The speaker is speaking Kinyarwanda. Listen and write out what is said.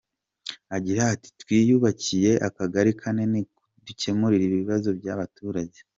Agira ati “Twiyubakiye akagari kanini dukemuriramo ibibazo by’abaturage.